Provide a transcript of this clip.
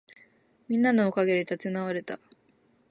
みんなのおかげで立ち直れた